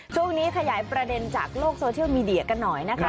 ขยายประเด็นจากโลกโซเชียลมีเดียกันหน่อยนะคะ